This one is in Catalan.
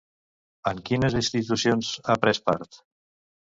En quines institucions ha pres part?